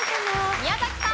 宮崎さん。